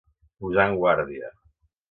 Posar en guàrdia.